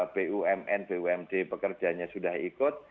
bumn bumd pekerjanya sudah ikut